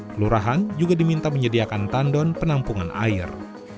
kelurahan juga diminta menyediakan tandon penampungan air